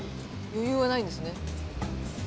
余裕がないんですね。